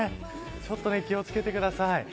ちょっと気を付けてください。